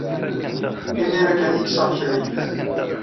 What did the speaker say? Imir-a kan ay kkseɣ krayellan.